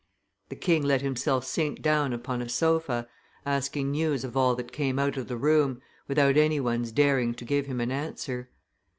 The king let himself sink down upon a sofa, asking news of all that came out of the room, without any one's daring to give him an answer.